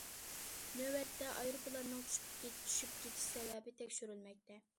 نۆۋەتتە ئايروپىلاننىڭ چۈشۈپ كېتىش سەۋەبى تەكشۈرۈلمەكتە.